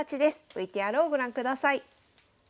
ＶＴＲをご覧ください。